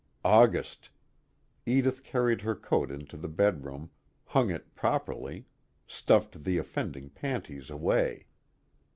August Edith carried her coat into the bedroom, hung it properly, stuffed the offending panties away.